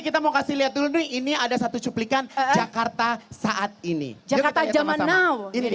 kita mau kasih lihat dulu ini ada satu cuplikan jakarta saat ini jakarta jaman now india mana